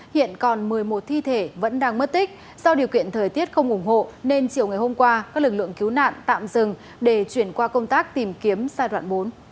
hiện còn một mươi một thi thể vẫn đang mất tích do điều kiện thời tiết không ủng hộ nên chiều ngày hôm qua các lực lượng cứu nạn tạm dừng để chuyển qua công tác tìm kiếm giai đoạn bốn